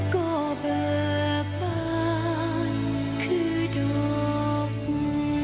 ก็เบอร์ปานคือดอกบู